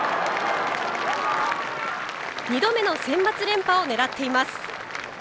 ２度目のセンバツ連覇を狙っています。